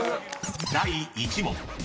［第１問。